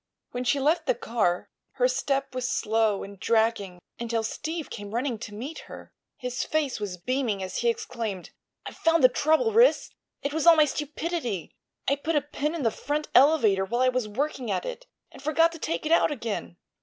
When she left the car her step was slow and dragging until Steve came running to meet her. His face was beaming as he exclaimed: "I've found the trouble, Ris! It was all my stupidity. I put a pin in the front elevator while I was working at it, and forgot to take it out again.